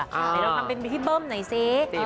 เราทำเป็นพี่เบิ้มหน่อยซิ